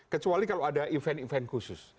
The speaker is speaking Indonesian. kecuali kalau ada event event khusus